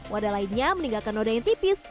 wadah lainnya meninggalkan noda yang tipis